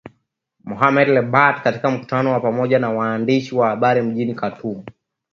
Mohamed Lebatt katika mkutano wa pamoja na waandishi wa habari mjini Khartoum